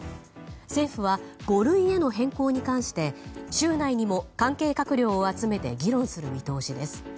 政府は五類への変更に関して週内にも関係閣僚を集めて議論する見通しです。